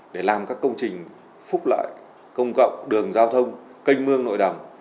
để làm các công trình phúc lợi công cộng đường giao thông canh mương nội đồng